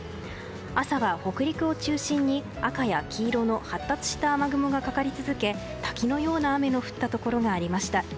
朝は北陸を中心に赤や黄色の発達した雨雲がかかり続け滝のような雨の降ったところがありました。